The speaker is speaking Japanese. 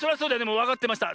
もうわかってました。